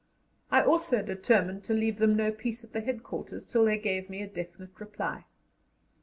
I also determined to leave them no peace at the headquarters till they gave me a definite reply.